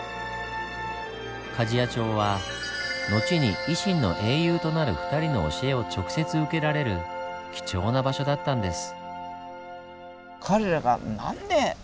加治屋町は後に維新の英雄となる２人の教えを直接受けられる貴重な場所だったんです。